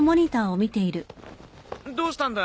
どうしたんだ？